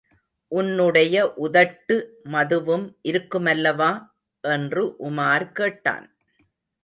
உன்னுடைய உதட்டு மதுவும் இருக்குமல்லவா? என்று உமார் கேட்டான்.